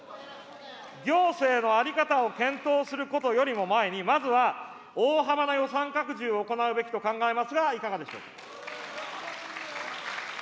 行政の在り方を検討することよりも前に、まずは大幅な予算拡充を行うべきと考えますが、いかがでしょうか。